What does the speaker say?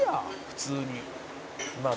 普通に」